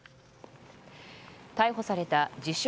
逮捕された自称